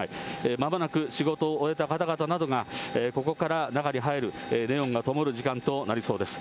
まもなく仕事を終えた方々などが、ここから中に入る、ネオンがともる時間となりそうです。